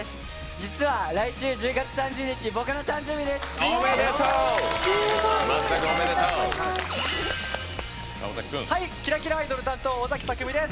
実は来週１０月３０日僕の誕生日です！